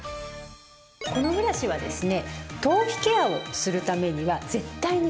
このブラシはですね